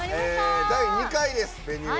第２回です。